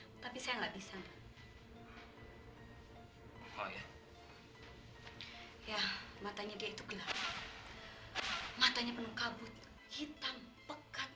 hai tapi saya nggak bisa hai oh ya ya matanya itu gelap matanya penuh kabut hitam pekat